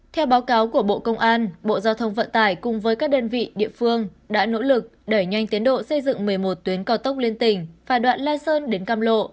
theo báo cáo của bộ công an bộ giao thông vận tải cùng với các đơn vị địa phương đã nỗ lực đẩy nhanh tiến độ xây dựng một mươi một tuyến cao tốc liên tỉnh và đoạn la sơn đến cam lộ